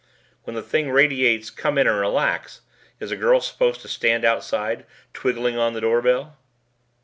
When the thing radiates 'Come in and relax' is a girl supposed to stand outside twiggling on the doorbell?"